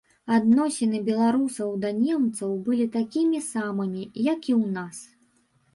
Адносіны беларусаў да немцаў былі такімі самымі, як і ў нас.